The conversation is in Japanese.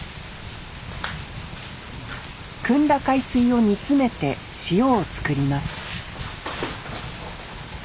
くんだ海水を煮詰めて塩を作ります